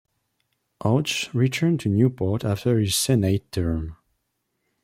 Hodges returned to Newport after his Senate term.